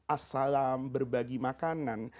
as salam berbagi makanan